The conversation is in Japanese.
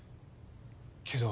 けど。